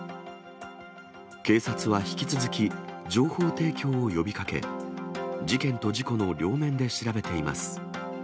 警察は引き続き、情報提供を呼びかけ、事件と事故の両面で調べています。